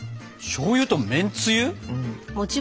しょうゆとめんつゆ？